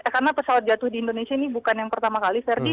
karena pesawat jatuh di indonesia ini bukan yang pertama kali ferdi